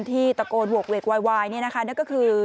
ที่ตะโกนหวกเวกว้ายนี่นี่ก็คือ